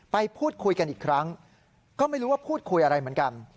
ไปพูดคุยกันอีกครั้งก็ไม่รู้ว่าพูดคุยอะไรเหมือนกัน